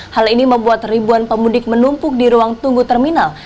hal ini membuat ribuan pemudik menumpuk di ruang tunggu terminal